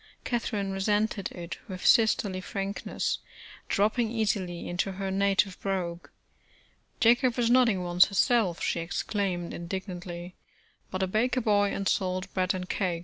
Catherine resented it with sisterly frankness, dropping easily into her native brogue. "Yacob vas noding once hisself, " she exclaimed, indignantly, "put a paker boy, und solt preat und kak.